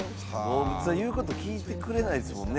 動物は言うこと聞いてくれないですもんね